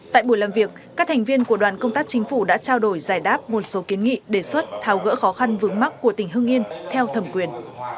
tại buổi làm việc các thành viên của đoàn công tác chính phủ đã trao đổi giải đáp một số kiến nghị đề xuất tháo gỡ khó khăn vướng mắt của tỉnh hưng yên theo thẩm quyền